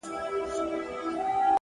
هر منزل د نوې زده کړې سرچینه ده,